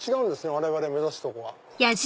我々目指すとこは。